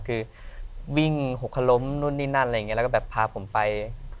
คือวิ่งหกขล้มนู่นนี่นั่นอะไรอย่างนี้แล้วก็แบบพาผมไป